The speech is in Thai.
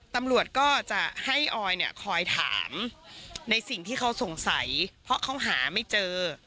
ตำรวจก็จะให้ออยเนี่ยคอยถามในสิ่งที่เขาสงสัยเพราะเขาหาไม่เจอ